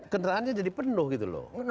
kendaraannya jadi penuh gitu loh